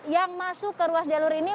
yang masuk ke ruas jalur ini